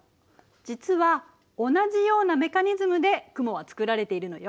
実は同じようなメカニズムで雲はつくられているのよ。